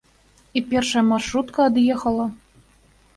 І першая маршрутка ад'ехала.